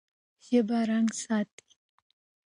ژبه رنګ ساتي.